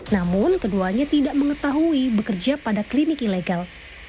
namun keduanya tidak mengetahui bekerja pada klinik ilegal